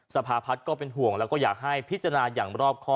สภาพัฒน์ก็เป็นห่วงแล้วก็อยากให้พิจารณาอย่างรอบข้อ